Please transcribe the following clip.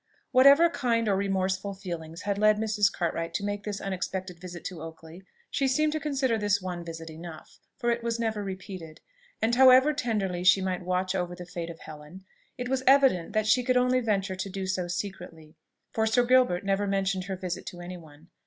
Whatever kind or remorseful feelings had led Mrs. Cartwright to make this unexpected visit to Oakley, she seemed to consider this one visit enough for it was never repeated: and however tenderly she might watch over the fate of Helen, it was evident that she could only venture to do so secretly; for Sir Gilbert never mentioned her visit to any one.